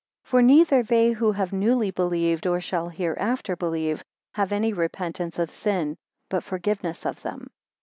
20 For neither they who have newly believed, or shall hereafter believe, have any repentance of sins, but forgiveness of them.